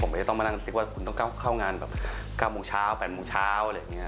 ไม่ต้องมานั่งกระซิบว่าคุณต้องเข้างานแบบ๙โมงเช้า๘โมงเช้าอะไรอย่างนี้